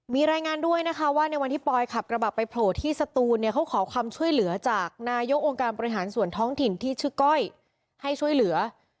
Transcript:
มีรายงานด้วยนะคะว่าในวันที่ปอยขับกระบะไปโผล่ที่สตูนเนี่ยเขาขอความช่วยเหลือจากนายกองค์การบริหารส่วนท้องถิ่นที่ชื่อก้อยให้ช่วยเหลือ